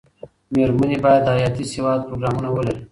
مېرمنې باید د حياتي سواد پروګرامونه ولري.